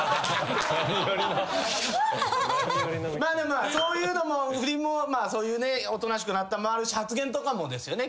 まあそういうのも不倫もおとなしくなったんもあるし発言とかもですよね？